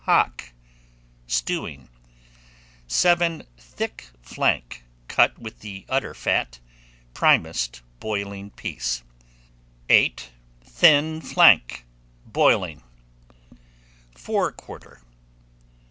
Hock, stewing. 7. Thick flank, cut with the udder fat, primest boiling piece. 8. Thin flank, boiling. FORE QUARTER.